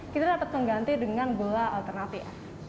kita dapat mengganti dengan gula alternatif